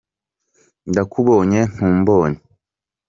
Ndakubonye ntumbonye.